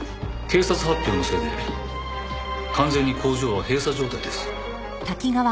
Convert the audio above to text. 警察発表のせいで完全に工場は閉鎖状態です。